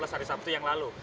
hari sabtu yang lalu